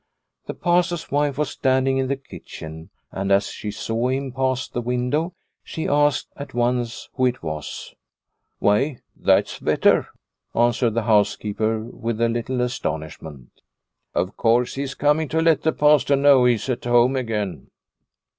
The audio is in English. The Pastor's wife was standing in the kitchen, and as she saw him pass the window she asked at once who it was. 214 Liliecrona's Home " Why, that's Vetter," answered the house keeper with a little astonishment. " Of course he is coming up to let the Pastor know he is at home again."